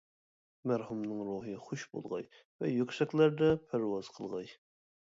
مەرھۇمنىڭ روھى خۇش بولغاي ۋە يۈكسەكلەردە پەرۋاز قىلغاي!